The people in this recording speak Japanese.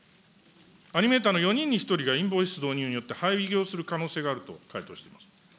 アニメーターの４人に１人がインボイス導入によって廃業する可能性があると回答しています。